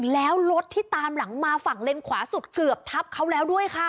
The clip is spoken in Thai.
แล้วรถที่ตามหลังมาฝั่งเลนขวาสุดเกือบทับเขาแล้วด้วยค่ะ